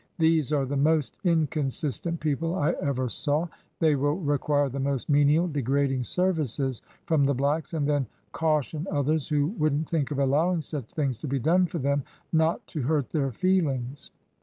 " These are the most inconsistent people I ever saw. They will require the most menial, degrading services from the blacks, and then caution others, who would n't think of allowing such things to be done for them, not to hurt their feelings!''